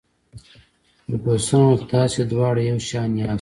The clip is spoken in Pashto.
فرګوسن وویل: تاسي دواړه یو شان یاست.